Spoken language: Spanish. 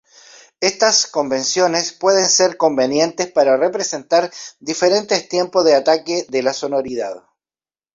Estas convenciones pueden ser convenientes para representar diferentes tiempos de ataque de la sonoridad.